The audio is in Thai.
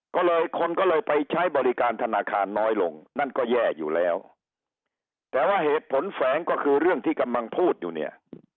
ก็เลยคนก็เลยไปใช้บริการธนาคารน้อยลงนั่นก็แย่อยู่แล้วแต่ว่าเหตุผลแฝงก็คือเรื่องที่กำลังพูดอยู่เนี่ย